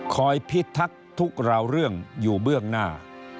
พิทักษ์ทุกราวเรื่องอยู่เบื้องหน้า